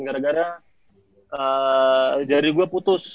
gara gara jari gue putus